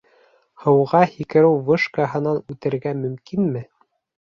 Һыуға һикереү вышкаһына үтергә мөмкинме?